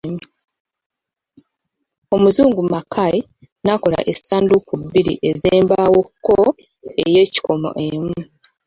Omuzungu Mackay n'akola essanduuko bbiri ez'embawo ko ey'ekikomo emu.